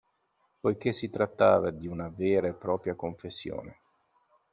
Poiché si trattava di una vera e propria confessione.